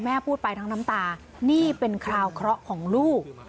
พูดไปทั้งน้ำตานี่เป็นคราวเคราะห์ของลูก